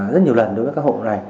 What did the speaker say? nhiều lần đối với các hộ này